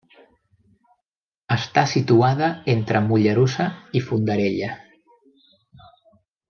Està situada entre Mollerussa i Fondarella.